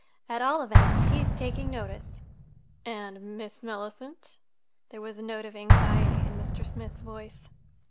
"At all events, he's taking notice." "And—Miss Mellicent?" There was a note of anxiety in Mr. Smith's voice.